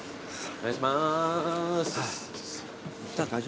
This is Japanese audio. お願いします。